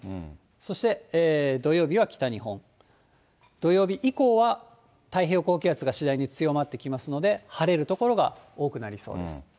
そして土曜日は北日本、土曜日以降は、太平洋高気圧が次第に強まってきますので、晴れる所が多くなりそうです。